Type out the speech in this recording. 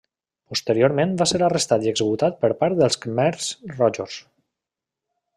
Posteriorment va ser arrestat i executat per part dels khmers rojos.